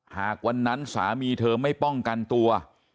หากวันนั้นสามีเธอไม่ป้องกันตัว